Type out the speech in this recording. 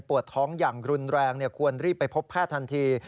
ท้องอย่างรุนแรงควรรีบไปพบแพทย์ทันที